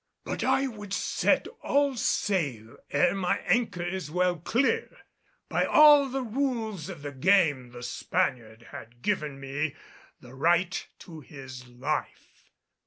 But I would set all sail ere my anchor is well clear. By all the rules of the game the Spaniard had given me the right to his life.